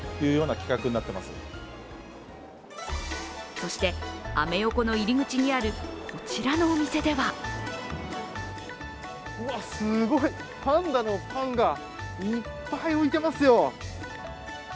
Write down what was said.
そして、アメ横の入り口にあるこちらのお店ではうわ、すごい、パンダのパンがいっぱい置いていますよ。